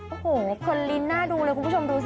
โอ้โห่ยยยยยยยคนนินหน้าดูเลยคุณผู้ชมดูสิ